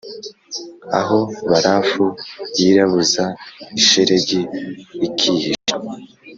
aho barafu yirabuza, ishelegi ikihisha,